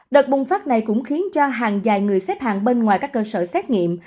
đợt bùng phát này cũng khiến cho hàng dài người xếp hàng bên ngoài các cơ sở xét nghiệm